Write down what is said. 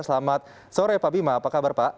selamat sore pak bima apa kabar pak